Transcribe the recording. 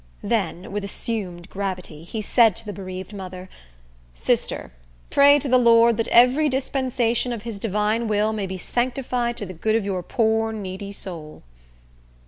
Then, with assumed gravity, he said to the bereaved mother, "Sister, pray to the Lord that every dispensation of his divine will may be sanctified to the good of your poor needy soul!"